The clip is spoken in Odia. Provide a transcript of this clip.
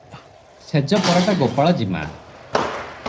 ଶେଜ ପରାଟା ଗୋପାଳ ଜିମା ।